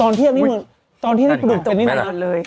ตอนเทียบนี้เหมือนตอนที่ปรุกจนเต็มงี่หรอ